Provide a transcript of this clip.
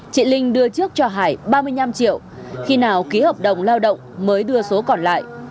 chị linh đưa trước cho hải ba mươi năm triệu khi nào ký hợp đồng lao động mới đưa số còn lại